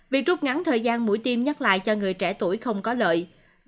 việc rút ngắn thời gian mũi tiêm nhắc lại cho người trẻ tuổi không có lợi